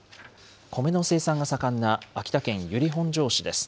米の生産が盛んな秋田県由利本荘市です。